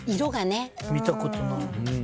見たことない。